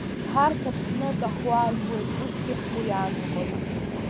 Ҳарҭ, Аԥсны акаҳуа аажәуеит, усгьы ҳгәы иаанагоит…